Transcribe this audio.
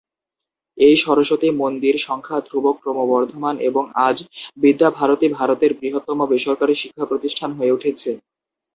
এই সরস্বতী মন্দির সংখ্যা ধ্রুবক ক্রমবর্ধমান, এবং আজ, বিদ্যা ভারতী ভারতের বৃহত্তম বেসরকারি শিক্ষা প্রতিষ্ঠান হয়ে উঠেছে।